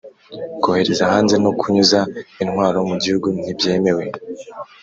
kohereza hanze no kunyuza intwaro mu gihugu nti byemewe